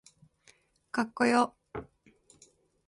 かっこよ